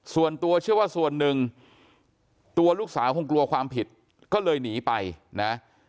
ส่วนตัวเชื่อว่าส่วนหนึ่งตัวลูกสาวคงกลัวความผิดก็เลยหนีไปนะ